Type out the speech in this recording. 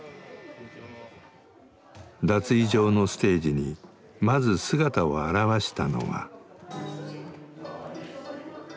脱衣場のステージにまず姿を現したのは。